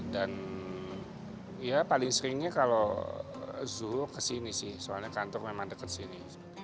dan ya paling seringnya kalau zuhur kesini sih soalnya kantor memang deket sini